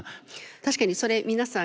確かにそれ皆さん